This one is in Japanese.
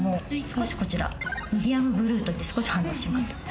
少しこちらミディアムブルーといって少し反応します。